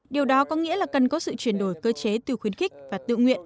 điều đó có nghĩa là cần có sự chuyển đổi cơ chế từ khuyến khích và tự nguyện